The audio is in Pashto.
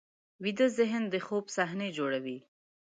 ویده ذهن د خوب صحنې جوړوي